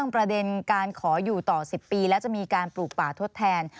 ประเด็นการขออยู่ต่อ๑๐ปีแล้วจะมีการปลูกป่าทดแทน